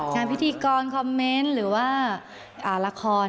พิธีกรคอมเมนต์หรือว่าละคร